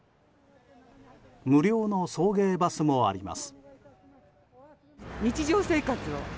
無料の送迎バスもあります。